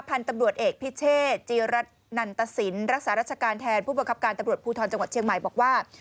พันธุ์ตำรวจเอกพิเชษจีรัฐนันตสินรักษารัชการแทนผู้บังคับการตำรวจภูทรจังหวัดเชียงใหม่บอกว่า